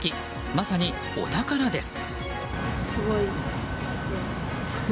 まさに、お宝です。